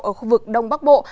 ở khu vực đông bắc bộ